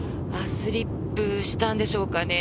スリップしたのでしょうかね